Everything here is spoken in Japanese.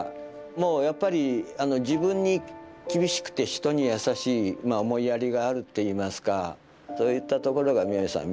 もうやっぱり自分に厳しくて人に優しい思いやりがあるっていいますかそういったところが明恵さん